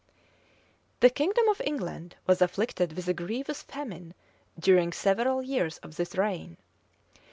The kingdom of England was afflicted with a grievous famine during several years of this reign.